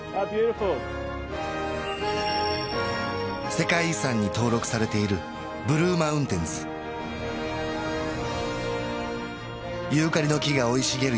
世界遺産に登録されているブルー・マウンテンズユーカリの木が生い茂る